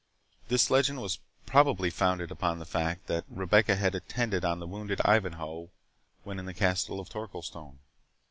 This legend was probably founded upon the fact, that Rebecca had attended on the wounded Ivanhoe when in the castle of Torquilstone.